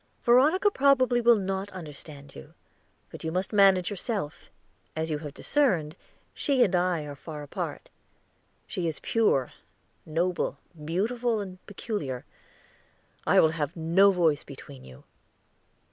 "Veronica probably will not understand you, but you must manage for yourself. As you have discerned, she and I are far apart. She is pure, noble, beautiful, and peculiar. I will have no voice between you."